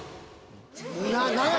何や？